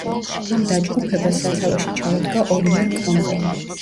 ამ დაჯგუფებას სათავეში ჩაუდგა ოლივერ კრომველი.